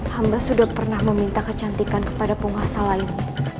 hamba sudah pernah meminta kecantikan kepada penguasa lain